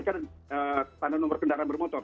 dan tanda nomor kendaraan bermotor